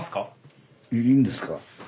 いいんですか？